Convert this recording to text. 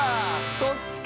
そっちか！